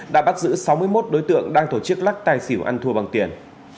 đã bắt giữ sáu mươi một đối tượng đang tổ chức lắc tài xỉu ăn thua bằng tiền